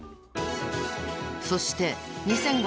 ［そして２００５年］